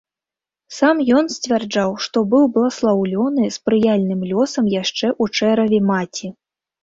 Сам ён сцвярджаў, што быў бласлаўлёны спрыяльным лёсам яшчэ ў чэраве маці.